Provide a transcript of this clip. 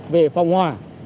về phòng hòa